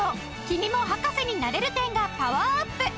「君も博士になれる展」がパワーアップ！